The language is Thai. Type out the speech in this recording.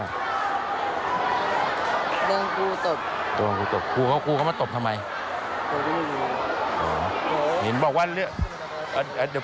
เห็นว่าครูเขาเรียกน้องไปกินข้าวใช่ไหม